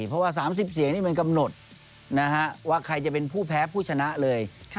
เพราะว่า๓๐เสียงนี่มันกำหนดว่าใครจะเป็นผู้แพ้ผู้ชนะเลย